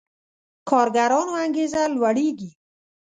کارګرانو انګېزه لوړېږي.